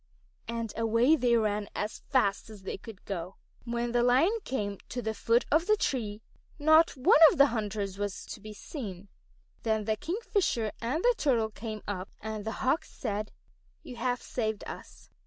And away they ran as fast as they could go. When the Lion came to the foot of the tree, not one of the hunters was to be seen. Then the Kingfisher and the Turtle came up, and the Hawks said: "You have saved us.